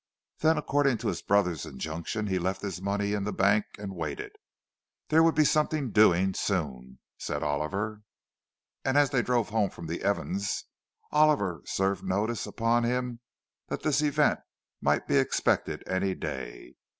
Then, according to his brother's injunction, he left his money in the bank, and waited. There would be "something doing" soon, said Oliver. And as they drove home from the Evanses', Oliver served notice upon him that this event might be expected any day.